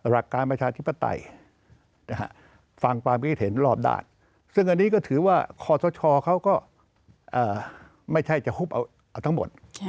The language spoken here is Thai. หลักการประชาธิปไตยฟังความคิดเห็นรอบด้านซึ่งอันนี้ก็ถือว่าคอสชเขาก็ไม่ใช่จะฮุบเอาทั้งหมด